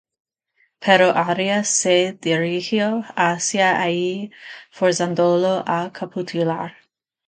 Pero Arias se dirigió hacia allí, forzándolo a capitular.